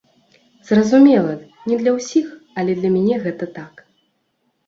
Зразумела, не для ўсіх, але для мяне гэта так.